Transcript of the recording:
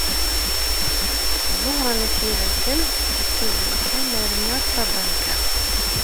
Ẓuhṛa n At Yiraten ad tazzel kan arma d tabanka.